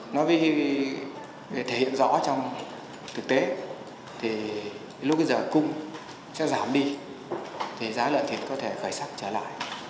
nó bị thể hiện rõ trong thực tế thì lúc bây giờ cung sẽ giảm đi thì giá lợi thiệt có thể khởi sắc trở lại